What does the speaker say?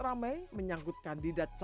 lain lagi dengan nu garis satu